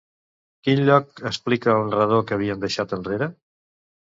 Quin lloc explica el narrador que havien deixat enrere?